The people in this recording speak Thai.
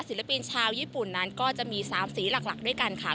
ศิลปินชาวญี่ปุ่นนั้นก็จะมี๓สีหลักด้วยกันค่ะ